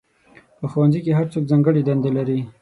په ښوونځي کې هر څوک ځانګړې دندې لري.